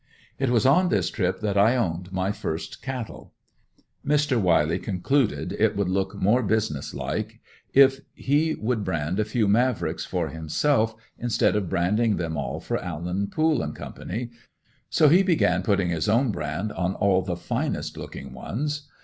It was on this trip that I owned my first cattle. Mr. Wiley concluded it would look more business like if he would brand a few Mavricks for himself instead of branding them all for Allen, Pool & Co., so he began putting his own brand on all the finest looking ones.